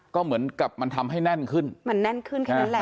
ก็เหมือนกับมันทำให้แน่นขึ้นมันแน่นขึ้นแค่นั้นแหละ